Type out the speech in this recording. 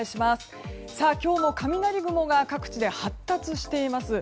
今日も雷雲が各地で発達しています。